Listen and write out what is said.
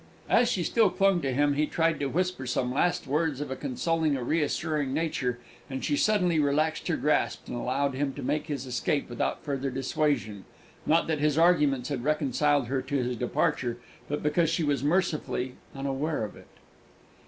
As she still clung to him, he tried to whisper some last words of a consoling or reassuring nature, and she suddenly relaxed her grasp, and allowed him to make his escape without further dissuasion not that his arguments had reconciled her to his departure, but because she was mercifully unaware of it.